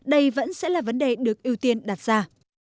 đây vẫn sẽ là vấn đề được ưu tiên đặt ra